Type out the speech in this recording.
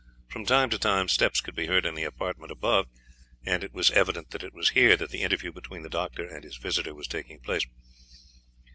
From time to time steps could be heard in the apartment above, and it was evident that it was here that the interview between the doctor and his visitor was taking place.